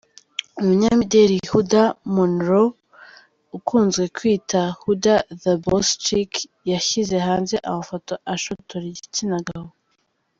Umunyamideli huddah monroe ukunzwe kwiyita huddah the bosschick yashyize hanze amafoto ashotora igitsina gabo .